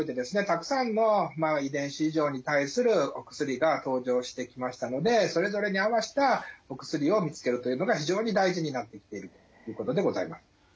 たくさんの遺伝子異常に対するお薬が登場してきましたのでそれぞれに合わせたお薬を見つけるというのが非常に大事になってきているということでございます。